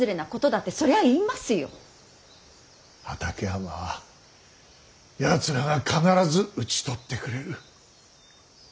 畠山はやつらが必ず討ち取ってくれる。